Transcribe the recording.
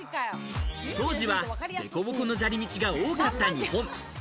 当時はデコボコの砂利道が多かった日本。